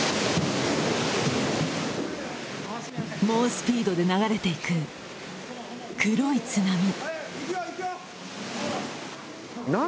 猛スピードで流れていく黒い津波。